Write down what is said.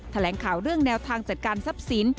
แถลงข่าวเรื่องแนวทางจัดการทรัพย์สิน